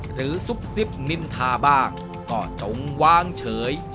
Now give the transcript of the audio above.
ซุปซิบนินทาบ้างก็จงวางเฉย